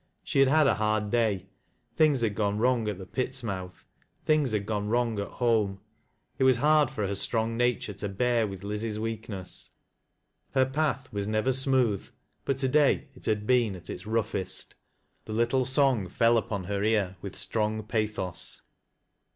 She had had a hard day. Things had gone wrong at the pit's mouth ; things had gone wrong at home. It was hard for her strong nature to bear with Liz's weakness. Her path was never smooth, but to day it, had been at ite roughest. The little song f611 upon her ear with strong pathos.